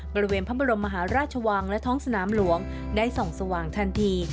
บริเวณพระบรมมหาราชวังและท้องสนามหลวงได้ส่องสว่างทันที